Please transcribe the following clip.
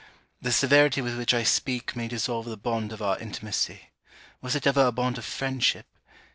The severity with which I speak may dissolve the bond of our intimacy: was it ever a bond of friendship?